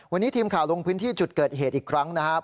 วันนี้ทีมข่าวลงพื้นที่จุดเกิดเหตุอีกครั้งนะครับ